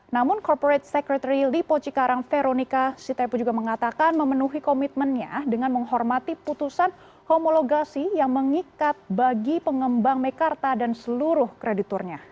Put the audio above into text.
namun corporate secretary lipo cikarang veronica sitaipu juga mengatakan memenuhi komitmennya dengan menghormati putusan homologasi yang mengikat bagi pengembang mekarta dan seluruh krediturnya